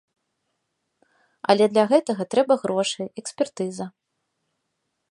Але для гэтага трэба грошы, экспертыза.